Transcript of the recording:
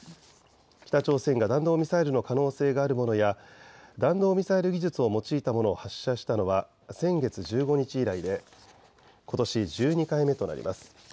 北朝鮮が弾道ミサイルの可能性があるものや弾道ミサイル技術を用いたものを発射したのは先月１５日以来でことし１２回目となります。